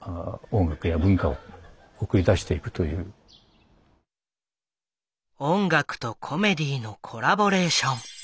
ですから音楽とコメディーのコラボレーション。